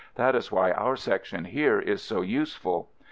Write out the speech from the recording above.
that is why our Section here is so useful.